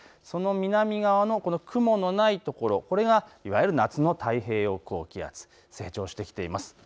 その南側の雲のないところ、これがいわゆる夏の太平洋高気圧、成長してきています。